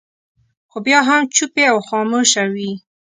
خو بیا هم چوپې او خاموشه وي.